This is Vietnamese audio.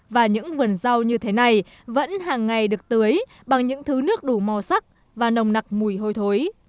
và những vườn rau như thế này vẫn hàng ngày được tưới bằng những thứ nước đủ màu sắc và nồng nặc mùi hôi thối